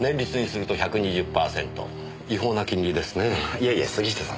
いえいえ杉下さん。